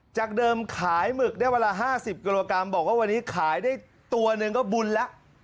จากเดิมขายหมึกได้วันละ๕๐กิโลกรัมบอกว่าวันนี้ขายได้ตัวหนึ่งก็บุญแล้ว